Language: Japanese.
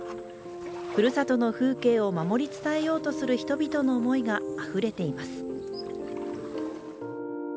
ふるさとの風景を守り伝えようとする人々の思いがあふれています。